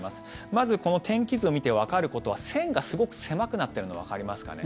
まずこの天気図を見てわかることは線がすごく狭くなっているのわかりますかね。